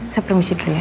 saya permisi dulu ya